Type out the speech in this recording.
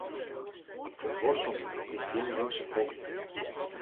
Ferduorsuming is gjin linkse hobby.